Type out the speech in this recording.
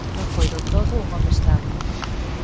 Non foi do todo un home estable.